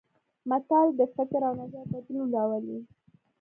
متل د فکر او نظر بدلون راولي